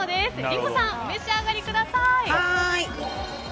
リンゴさんお召し上がりください。